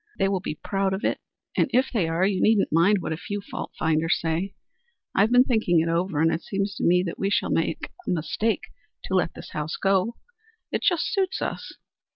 They will be proud of it, and if they are, you needn't mind what a few fault finders say. I have been thinking it over, and it seems to me that we shall make a mistake to let this house go. It just suits us.